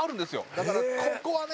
だからここはね